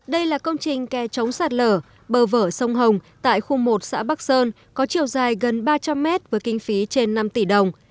đây là công trình kè chống sạt lở bờ vở sông hồng tại khu một xã bắc sơn có chiều dài gần ba trăm linh mét với kinh phí trên năm tỷ đồng